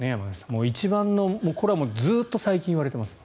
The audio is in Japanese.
もう一番のこれはずっと最近いわれています。